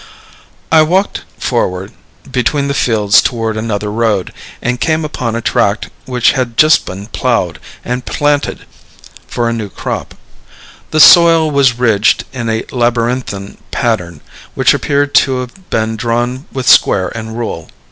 I walked forward between the fields toward another road, and came upon a tract which had just been ploughed and planted for a new crop. The soil was ridged in a labyrinthine pattern, which appeared to have been drawn with square and rule.